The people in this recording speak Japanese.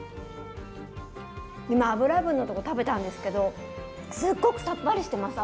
今脂分のとこ食べたんですけどすっごくさっぱりしてます脂も。